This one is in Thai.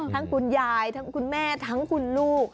คุณยายทั้งคุณแม่ทั้งคุณลูก